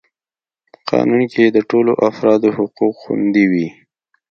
قانون کي د ټولو افرادو حقوق خوندي وي.